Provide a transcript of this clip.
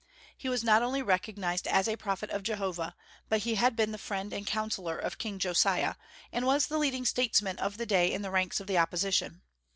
He was not only recognized as a prophet of Jehovah, but he had been the friend and counsellor of King Josiah, and was the leading statesman of the day in the ranks of the opposition.